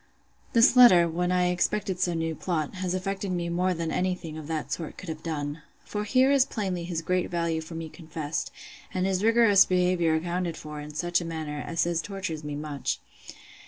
This letter, when I expected some new plot, has affected me more than any thing of that sort could have done. For here is plainly his great value for me confessed, and his rigorous behaviour accounted for in such a manner, as tortures me much.